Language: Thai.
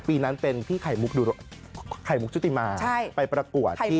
ปีนั้นเป็นพี่ไขมุกดูรกรรค์